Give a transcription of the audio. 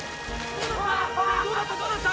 どうだったどうだった？